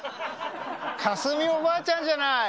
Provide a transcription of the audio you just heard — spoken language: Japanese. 架純おばあちゃんじゃない。